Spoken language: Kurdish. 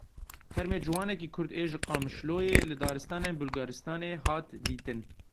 Termê ciwanekî kurd ê ji Qamişloyê li daristanên Bulgaristanê hat dîtin.